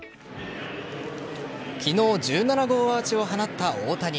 昨日、１７号アーチを放った大谷。